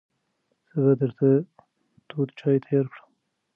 زه به درته تود چای تیار کړم.